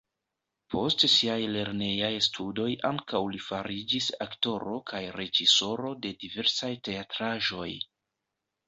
Post siaj lernejaj studoj ankaŭ li fariĝis aktoro kaj reĝisoro de diversaj teatraĵoj.